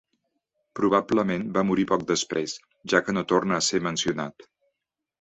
Probablement va morir poc després, ja que no torna a ser mencionat.